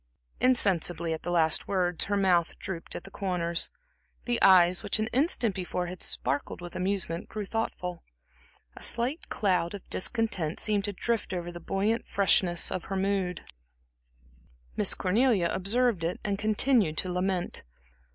Insensibly at the last words, her mouth drooped at the corners, the eyes, which an instant before had sparkled with amusement, grew thoughtful. A slight cloud of discontent seemed to drift over the buoyant freshness of her mood. Miss Cornelia observed it and continued to lament.